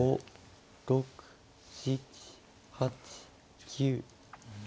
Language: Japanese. ６７８９。